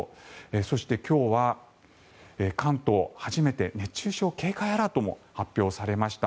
そして今日は関東、初めて熱中症警戒アラートも発表されました。